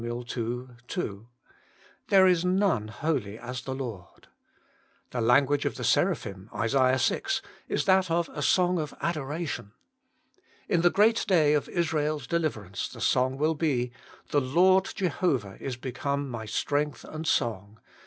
ii. 2), 'There is none holy as the Lord.' The language of the Seraphim (Isa. vi.) is that of a song of adoration. In the great day of Israel's deliver ance the song will be, ' The Lord Jehovah is become my strength and song.